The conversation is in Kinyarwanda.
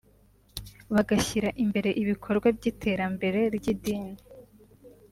bagashyira imbere ibikorwa by’iterambere ry’idini